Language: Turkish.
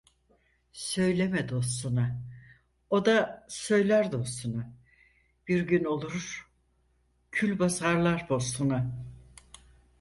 Söyleme dostuna, o da söyler dostuna. Bir gün olur kül basarlar postuna.